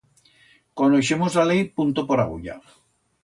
Conoixemos la lei punto por agulla.